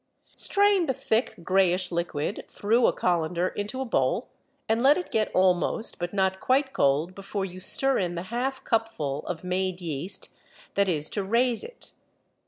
Strain the thick, grayish liquid through a colander into a bowl and let it get almost but not quite cold before you stir in the half cupful of made yeast that is to "raise" it.